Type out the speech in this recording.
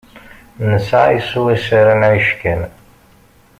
Nesεa swayes ara nεic kan.